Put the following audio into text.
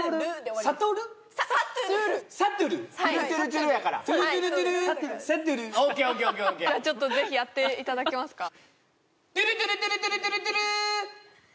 オッケーオッケーじゃあちょっとぜひやっていただけますか？